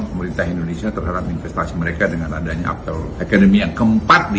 pemerintah indonesia terhadap investasi mereka dengan adanya ekonomi yang keempat di